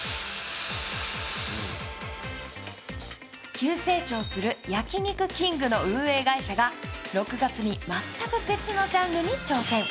急成長する焼肉きんぐの運営会社が６月に全く別のジャンルに挑戦。